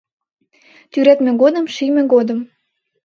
Тӱредме годым, шийме годым